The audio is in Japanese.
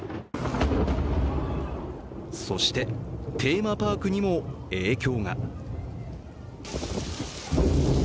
そして、テーマパークにも影響が。